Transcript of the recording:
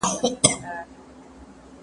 صنعت څنګه ټولنه بدلوي؟